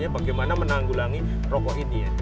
bagaimana menanggulangi rokok ini ya